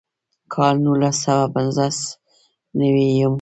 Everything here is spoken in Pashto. کال نولس سوه پينځۀ نوي يم کښې